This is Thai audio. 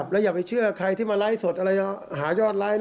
แล้วอย่าไปเชื่อใครที่มาไล่สดหายอดร้าย